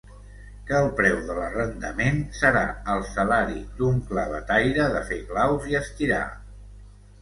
Que el preu de l'arrendament, serà el salari d'un clavetaire de fer claus i estirar.